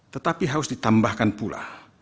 tetapi harus ditambahkan pula